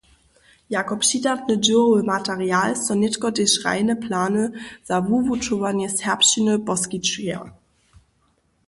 Jako přidatny dźěłowy material so nětko tež hrajne plany za wuwučowanje serbšćiny poskićeja.